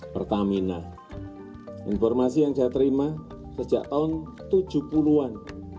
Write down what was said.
pertamina informasi yang saya terima sejak tahun tujuh puluh an